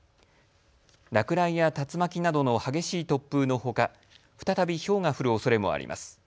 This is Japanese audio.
落雷や竜巻などの激しい突風のほか、再びひょうが降るおそれもあります。